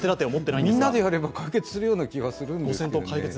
みんなでやれば解決するような気がするんですけどね。